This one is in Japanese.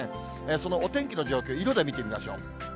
そのお天気の状況、色で見てみましょう。